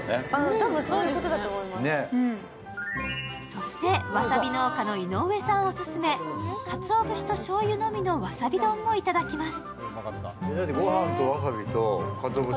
そして、わさび農家の井上さんオススメ、かつお節としょうゆのみのわさび丼もいただきます。